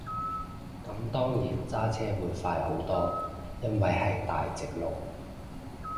咁當然揸車會快好多，因為係大直路